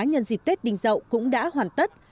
nhân dịp tết đình dậu cũng đã hoàn tất